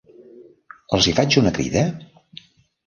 Els hi faig una crida?